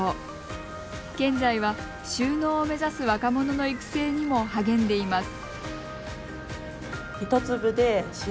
現在は就農を目指す若者の育成にも励んでいます。